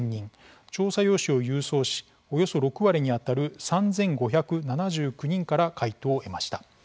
調査用紙を郵送しおよそ６割にあたる３５７９人から回答を得ました。